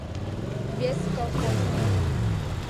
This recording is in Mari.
Вес колхозник.